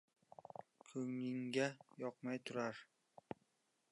Ko‘nglingga yoqmay turar: